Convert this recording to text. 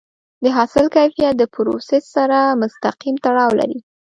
د حاصل کیفیت د پروسس سره مستقیم تړاو لري.